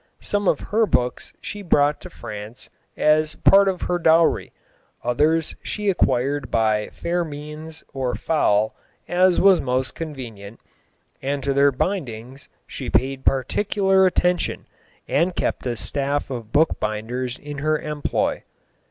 Some of her books she brought to France as part of her dowry, others she acquired by fair means or foul as was most convenient, and to their bindings she paid particular attention and kept a staff of bookbinders in her employ.